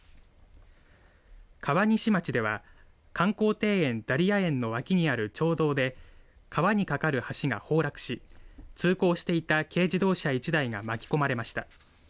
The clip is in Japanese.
川西町では観光庭園、ダリヤ園の脇にある町道で川に架かる橋が崩落し通行していた軽自動車１台が巻き込まれました。